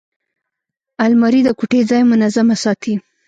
الماري د کوټې ځای منظمه ساتي